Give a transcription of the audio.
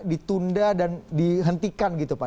ditunda dan dihentikan gitu pak